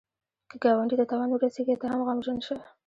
که ګاونډي ته تاوان ورسېږي، ته هم غمژن شه